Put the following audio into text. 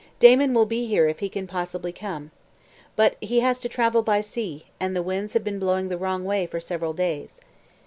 "Damon will be here if he can possibly come. But he has to travel by sea, and the winds have been blowing the wrong way for several days.